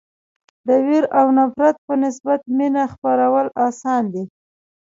د وېرې او نفرت په نسبت مینه خپرول اسان دي.